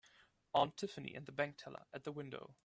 Aunt Tiffany and bank teller at the window.